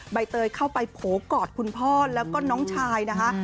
ใบเตยเข้าไปโผล่กอดคุณพ่อแล้วก็น้องชายนะคะ